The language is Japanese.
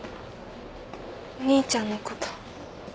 お兄ちゃんのこと。